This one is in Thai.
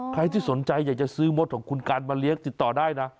ใครที่สนใจอยากจะซื้อมดของคุณกันมาเลี้ยงติดต่อได้นะ